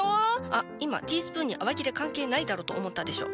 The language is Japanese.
あっ今ティースプーンに洗剤いらねえだろと思ったでしょ。